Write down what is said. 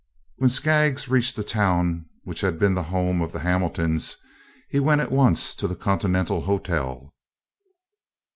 When Skaggs reached the town which had been the home of the Hamiltons, he went at once to the Continental Hotel.